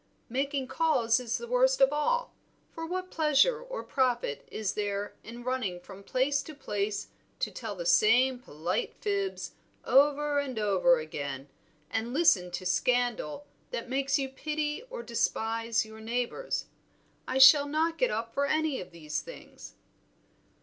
Making calls is the worst of all; for what pleasure or profit is there in running from place to place to tell the same polite fibs over and over again, and listen to scandal that makes you pity or despise your neighbors. I shall not get up for any of these things."